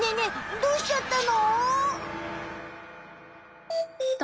どうしちゃったの？